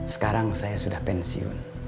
sekarang saya sudah pensiun